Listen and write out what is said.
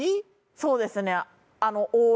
そうですね